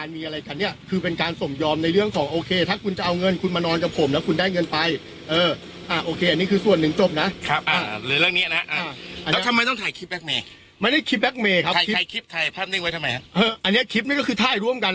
แบล็คเมย์ครับถ่ายคลิปถ่ายภาพเนี้ยไว้ทำไมเอออันเนี้ยคลิปนี้ก็คือท่ายร่วมกัน